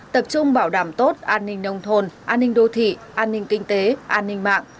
tập trung bảo đảm tốt an ninh nông thôn an ninh đô thị an ninh kinh tế an ninh mạng